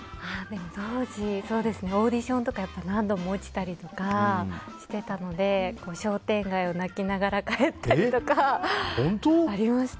当時、オーディションとか何度も落ちたりとかしてたので商店街を泣きながら帰ったりとかありました。